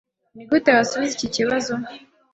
Nigute wasubiza iki kibazo?